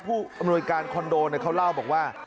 ผู้อำนวยการคอนโดเขาเล่าบอกว่า